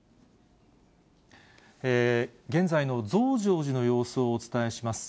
現在の増上寺の様子をお伝えします。